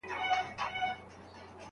ساعت ډېر زوړ دی.